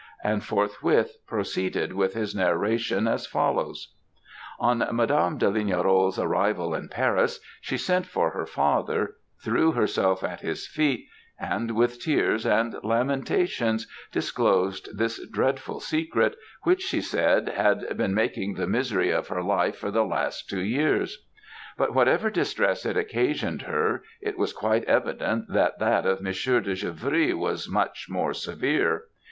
and forthwith proceeded with his narration as follows. "On Madam de Lignerolle's arrival in Paris, she sent for her father, threw herself at his feet, and with tears and lamentations, disclosed this dreadful secret, which, she said, had been making the misery of her life for the last two years; but whatever distress it occasioned her, it was quite evident that that of Monsieur de Givry was much more severe.